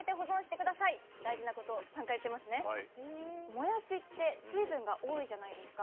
もやしって水分が多いじゃないですか。